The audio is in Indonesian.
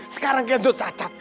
sekarang kenzo sacat